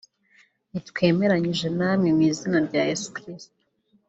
ntitwemeranyije na mwe mu izina rya Yesu Kristo